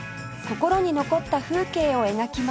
心に残った風景を描きます